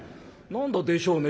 何だ「でしょうね」